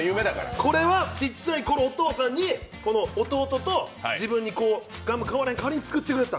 これは小さい頃、お父さんに弟と自分にガム買われへん代わりに作ってくれた。